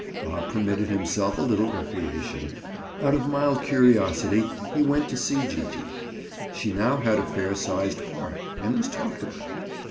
Bob permitted himself a little recreation; out of mild curiosity, he went to see Gee gee. She now had a fair sized part and was talked about.